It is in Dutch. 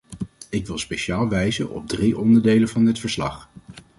Ik wil speciaal wijzen op drie onderdelen van dit verslag.